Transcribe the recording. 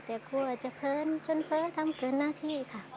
แต่กลัวจะเพลินจนเพ้อทำเกินหน้าที่ค่ะ